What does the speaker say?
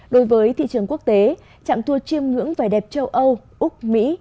đối với thị trường quốc tế trạng tour chiêm ngưỡng vẻ đẹp châu âu úc mỹ